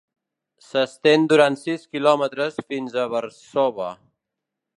S'estén durant sis quilòmetres fins a Versova.